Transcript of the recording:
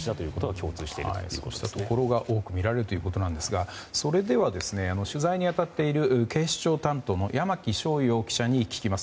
共通したところが多く見られるということですがそれでは取材に当たっている警視庁担当の山木翔遥記者に聞きます。